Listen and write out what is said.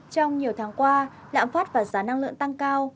trong nhiều tháng qua lãm phát và giá năng lượng tăng cao